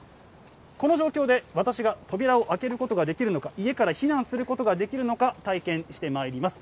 この状況で、私が扉を開けることができるのか、家から避難することができるのか、体験してまいります。